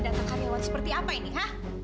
ini data data karyawan seperti apa ini ha